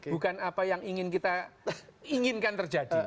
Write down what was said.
bukan apa yang ingin kita inginkan terjadi